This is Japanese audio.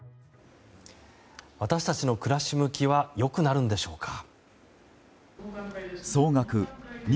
私たちの暮らし向きは良くなるんでしょうか。